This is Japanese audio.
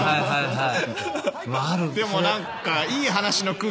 はい？